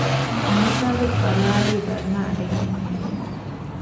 ނީތާ ވެސް ބަލައިލީ ދަންނަ އަޑެއްހެން ހީވުމުން